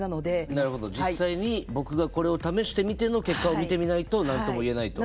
なるほど実際に僕がこれを試してみての結果を見てみないと何とも言えないと。